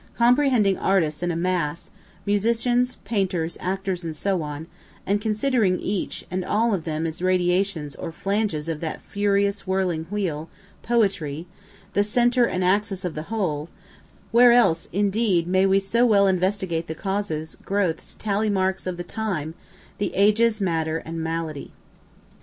Comprehending artists in a mass, musicians, painters, actors, and so on, and considering each and all of them as radiations or flanges of that furious whirling wheel, poetry, the centre and axis of the whole, where else indeed may we so well investigate the causes, growths, tally marks of the time the age's matter and malady?